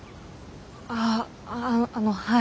あああのはい。